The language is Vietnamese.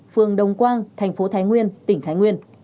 phường đồng quang thành phố thái nguyên tỉnh thái nguyên